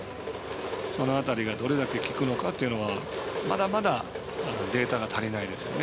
その辺りがどれだけ効くのかというのはまだまだデータが足りないですね。